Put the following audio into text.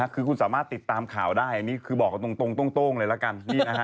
คือคุณสามารถติดตามข่าวได้อันนี้คือบอกตรงโต้งเลยละกัน